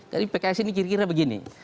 jadi pks ini kira kira begini